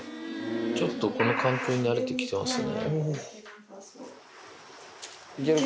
ちょっとこの環境に慣れてきてますね。